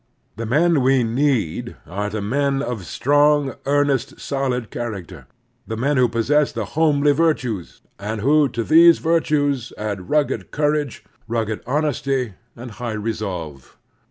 The men we need are the men of strong, earnest, solid character — ^the men who possess the homely virtues, and who to these virtues add rugged courage, rugged honesty, and high resolve.